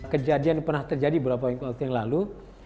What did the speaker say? kejadian yang pernah terjadi beberapa waktu yang lalu